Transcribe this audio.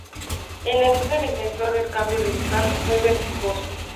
El ascenso del senador en Cambio Radical fue vertiginoso.